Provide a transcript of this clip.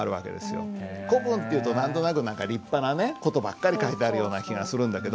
古文っていうと何となく何か立派な事ばっかり書いてあるような気がするんだけど。